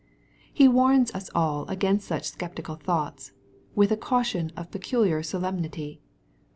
He warns us all against such sceptical thoughts, with a caution of peculiar solemnity.